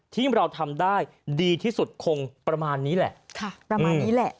ที่เราทำได้ดีที่สุดคงประมาณนี้แหละค่ะประมาณนี้แหละ